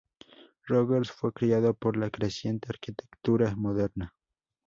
Rogers fue criticado por la creciente arquitectura moderna.